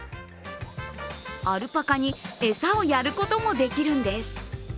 アルパカに餌をやることもできるんです。